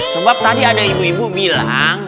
sebab tadi ada ibu ibu bilang